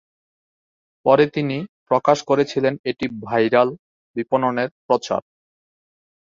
পরে তিনি প্রকাশ করেছিলেন এটি ভাইরাল বিপণনের প্রচার।